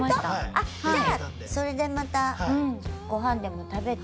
あっじゃあそれでまた御飯でも食べて。